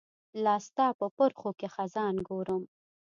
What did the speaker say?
لاستا په پرښوکې خزان ګورم